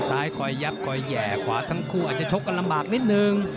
ซ้ายคอยยับคอยแห่ขวาทั้งคู่อาจจะชกกันลำบากนิดนึง